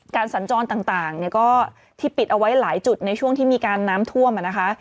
สัญจรต่างเนี่ยก็ที่ปิดเอาไว้หลายจุดในช่วงที่มีการน้ำท่วมนะคะ